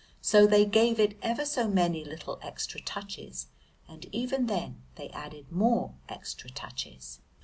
So they gave it ever so many little extra touches, and even then they added more extra touches.